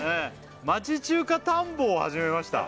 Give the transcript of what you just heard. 「町中華探訪を始めました」